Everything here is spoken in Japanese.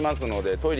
トイレ！